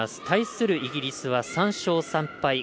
対するイギリスは３勝３敗。